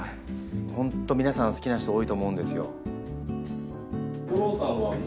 本当皆さん好きな人多いと思うんですよ。